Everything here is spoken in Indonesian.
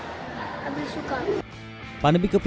dari situ saya memotivasi sama sama motivasi habil buat mau